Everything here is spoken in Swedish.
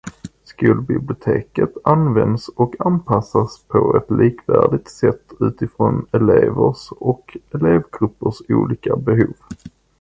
Skolbiblioteket används och anpassas på ett likvärdigt sätt utifrån elevers och elevgruppers olika behov.